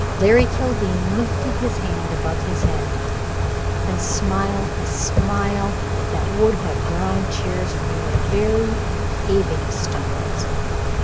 Larry Kildene lifted his hand above his head and smiled a smile that would have drawn cheers from the very paving stones.